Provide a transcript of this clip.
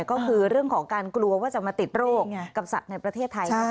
ก็คือเรื่องของการกลัวว่าจะมาติดโรคกับสัตว์ในประเทศไทย